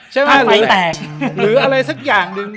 ใช่ไหมไฟแตกหรืออะไรสักอย่างหนึ่ง